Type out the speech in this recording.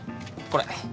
これ。